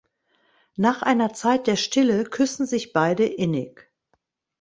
Nach einer Zeit der Stille küssen sich beide innig.